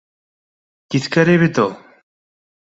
Тиҫкәре бит ул